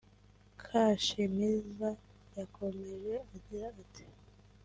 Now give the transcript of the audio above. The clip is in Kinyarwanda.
Kashemeza yakomeje agira ati